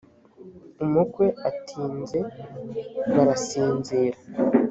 umukwe atinze barasinzira